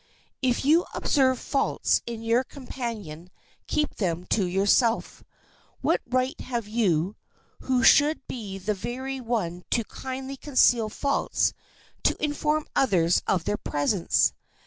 If you observe faults in your companion keep them to yourself. What right have you, who should be the very one to kindly conceal faults, to inform others of their presence?